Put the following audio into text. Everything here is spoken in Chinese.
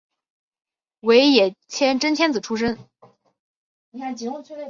尾野真千子出身。